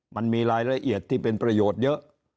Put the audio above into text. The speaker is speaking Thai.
มันมีรายละเอียดที่เป็นประโยชน์เยอะ